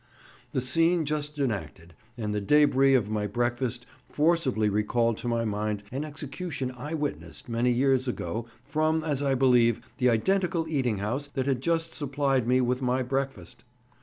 The scene just enacted and the débris of my breakfast forcibly recalled to my mind an execution I witnessed many years ago from, as I believe, the identical eating house that had just supplied me with my breakfast.